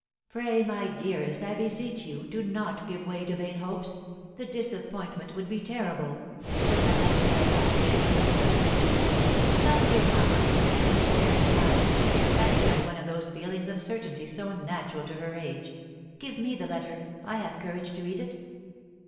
'" "Pray, my dearest, I beseech you, do not give way to vain hopes; the disappointment would be terrible!" said Madame de Fermont, taking the letter. "Come, dear mamma," said Claire, smiling, and excited by one of those feelings of certainty so natural to her age, "give me the letter; I have courage to read it!"